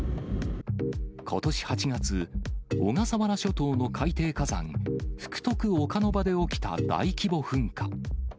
ことし８月、小笠原諸島の海底火山、福徳岡ノ場で起きた大規模噴火。